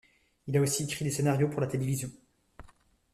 Il a aussi écrit des scénarios pour la télévision.